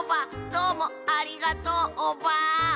どうもありがとうオバ。